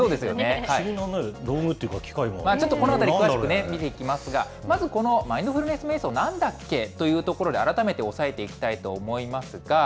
不思議な道具っていうか機械ちょっとこのあたり、詳しく見ていきますが、まず、このマインドフルネスめい想、なんだっけというところで、改めて押さえていきたいと思いますが。